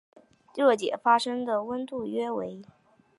热解发生的温度约为。